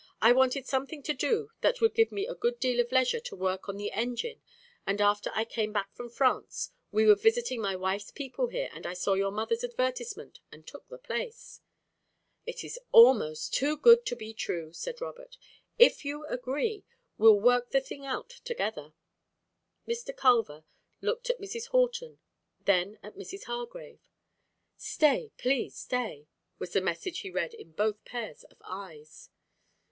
"I wanted something to do that would give me a good deal of leisure to work on the engine and after I came back from France we were visiting my wife's people here and I saw your mother's advertisement and took the place." "It is almost too good to be true!" said Robert. "If you agree, we'll work the thing out together." Mr. Culver looked at Mrs. Horton, then at Mrs. Hargrave. "Stay; please stay!" was the message he read in both pairs of eyes.